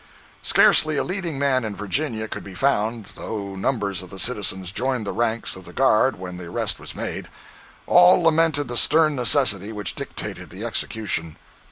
Scarcely a leading man in Virginia could be found, though numbers of the citizens joined the ranks of the guard when the arrest was made. All lamented the stern necessity which dictated the execution.